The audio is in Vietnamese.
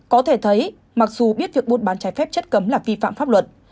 có thể thấy mặc dù biết việc buôn bán trái phép chất cấm là vi phạm pháp luật